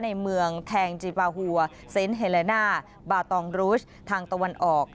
ในเมืองแทงจิปาหัวเซนต์เฮเลน่าบาตองรูชทางตะวันออก